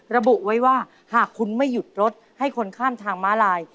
ระบุไว้ว่าหากคุณไม่หยุดรถให้คนข้ามทางม้าลาย